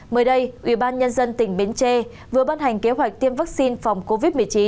mới đây ubnd tỉnh bến tre vừa ban hành kế hoạch tiêm vaccine phòng covid một mươi chín